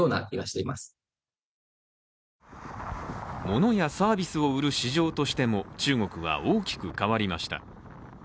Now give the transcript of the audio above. ものやサービスを売る市場としても中国は大きく変わりました。